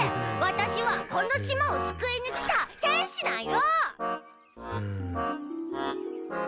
私はこの島を救いに来た戦士だよ！